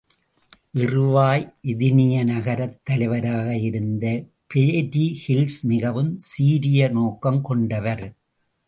இறுவாய் எதினிய நகரத் தலைவராக இருந்த பெரிகில்ஸ் மிகவும் சீரிய நோக்கங் கொண்டவர்.